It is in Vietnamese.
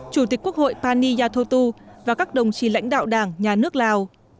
chủ tịch quốc hội pani ya thô tu và các đồng chí lãnh đạo đảng nhà nước lào